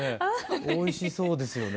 おいしそうですよね。